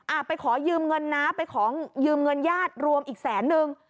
ไปขอยืมเงินนะไปขอยืมเงินญาติรวมอีกแสนนึง